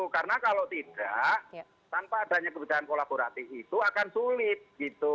karena kalau tidak tanpa adanya kebijakan kolaboratif itu akan sulit gitu